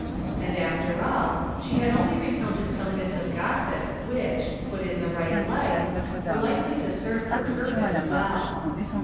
And after all, she had only recounted some bits of gossip which, put in the right light, were likely to serve her purpose well.